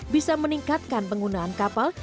bisa meningkatkan penggunaan kapal